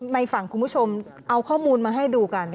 ในฝั่งคุณผู้ชมเอาข้อมูลมาให้ดูกัน